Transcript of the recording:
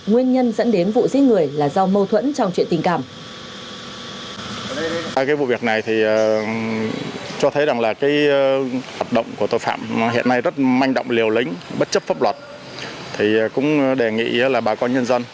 nguyên nhân dẫn đến là một người đàn ông một người đàn ông một người đàn ông